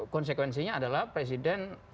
konsekuensinya adalah presiden